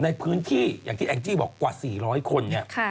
ในพื้นที่อย่างที่แองจี้บอกกว่า๔๐๐คนเนี่ย